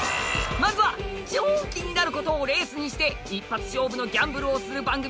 まずは超気になる事をレースにして一発勝負のギャンブルをする番組『＃